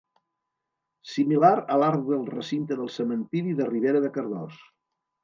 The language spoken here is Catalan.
Similar a l'arc del recinte del cementiri de Ribera de Cardós.